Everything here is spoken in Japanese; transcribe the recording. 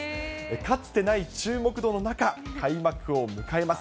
かつてない注目度の中、開幕を迎えます。